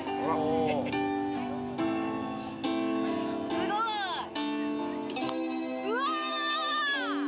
すごい。うわ！